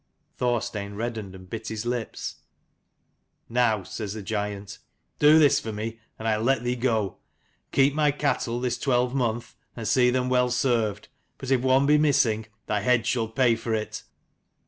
Thorstein reddened and bit his lips. "Now," says the giant, "do this for me, and I'll let thee go: keep my cattle this twelve month, and see them well served : but if one be missing thy head shall pay for it."